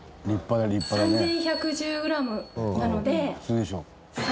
３１１０グラムなので。